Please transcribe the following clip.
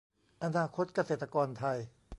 อนาคตเกษตรไทย